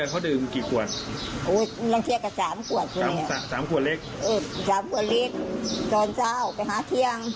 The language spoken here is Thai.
สามขวดเล็กเออสามขวดเล็กจอนเจ้าไปหาเที่ยง